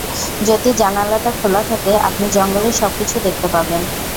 যদি জানালাটা খোলা থাকে আপনি জঙ্গলের সবকিছু দেখতে পাবেন।